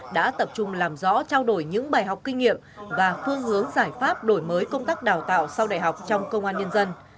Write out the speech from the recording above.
đã tập trung làm rõ trao đổi những bài học kinh nghiệm và phương hướng giải pháp đổi mới công tác đào tạo sau đại học trong công an nhân dân